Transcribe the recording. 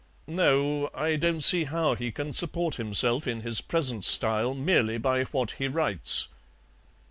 No, I don't see how he can support himself in his present style merely by what he writes."